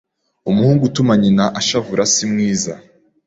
umuhungu utuma nyina ashavura si mwiza